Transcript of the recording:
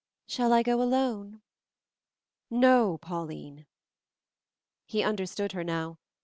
Shall I go alone?" "No, Pauline." He understood her now.